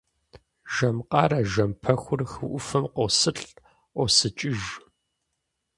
Жэм къарэ жэм пэхур хы ӏуфэм къосылӏ, ӏуосыкӏыж.